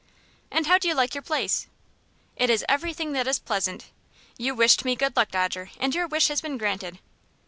"And how do you like your place?" "It is everything that is pleasant. You wished me good luck, Dodger, and your wish has been granted."